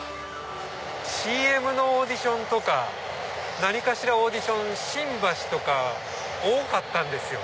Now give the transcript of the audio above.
ＣＭのオーディションとか何かしらオーディション新橋とか多かったんですよ。